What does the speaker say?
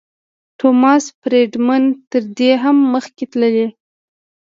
ټوماس فریډمن تر دې هم مخکې تللی.